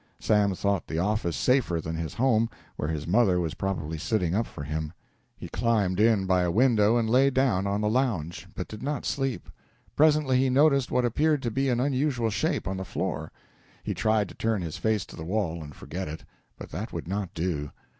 Sam thought the office safer than his home, where his mother was probably sitting up for him. He climbed in by a window and lay down on the lounge, but did not sleep. Presently he noticed what appeared to be an unusual shape on the floor. He tried to turn his face to the wall and forget it, but that would not do.